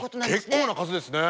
結構な数ですね！